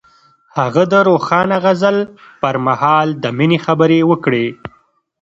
هغه د روښانه غزل پر مهال د مینې خبرې وکړې.